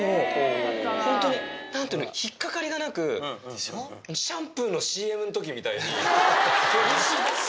本当に、なんていうの、引っ掛かりがなく、シャンプーのＣＭのときみたいに。